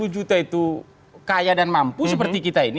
dua puluh juta itu kaya dan mampu seperti kita ini